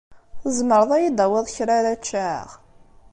Tzemreḍ ad yi-d-tawiḍ kra ara ččeɣ?